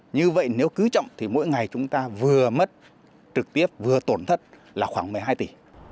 như vậy nếu cứ chậm thì mỗi ngày chúng ta vừa mất trực tiếp vừa tổn thất là khoảng một mươi hai tỷ